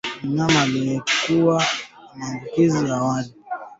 Mnyama aliwahi kupata maambukizi awali